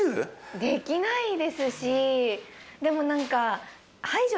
できないですしでも何か。